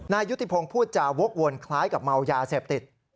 ยุติพงศ์พูดจาวกวนคล้ายกับเมายาเสพติด